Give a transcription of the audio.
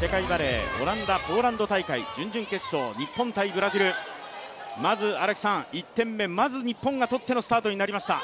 世界バレー、オランダポーランド大会準々決勝日本×ブラジル、まず１点目日本が取ってのスタートになりました。